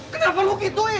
kenapa lu gituin